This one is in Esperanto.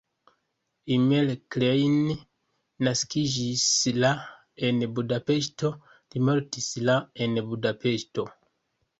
Imre Klein naskiĝis la en Budapeŝto, li mortis la en Budapeŝto.